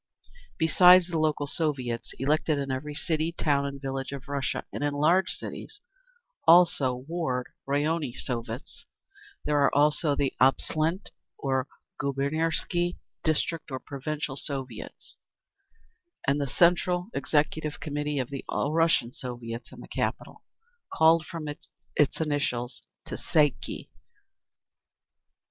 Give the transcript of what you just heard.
Besides the local Soviets, elected in every city, town and village of Russia—and in large cities, also Ward (Raionny) Soviets—there are also the oblastne or gubiernsky (district or provincial) Soviets, and the Central Executive Committee of the All Russian Soviets in the capital, called from its initials Tsay ee kah. (See below, "Central Committees").